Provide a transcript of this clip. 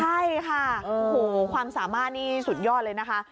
ใช่ค่ะความสามารณ์นี้สุดยอดเลยนะคะ